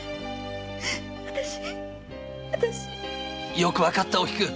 よくわかったおきく。